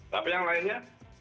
tapi yang lainnya